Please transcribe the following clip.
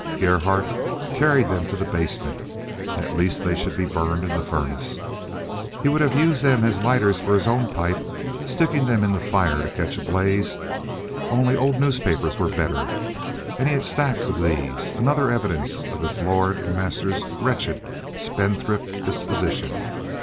Gerhardt carried them to the basement. At least they should be burned in the furnace. He would have used them as lighters for his own pipe, sticking them in the fire to catch a blaze, only old newspapers were better, and he had stacks of these—another evidence of his lord and master's wretched, spendthrift disposition.